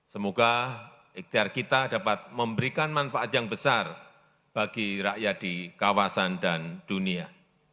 semoga ikhtiar kita dapat memberikan manfaat yang besar bagi rakyat di kawasan dan dunia